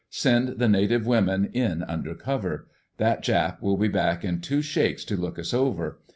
Send the native women in under cover. That Jap will be back in two shakes to look us over.